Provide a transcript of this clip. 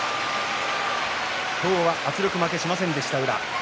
今日は圧力負けしませんでした宇良。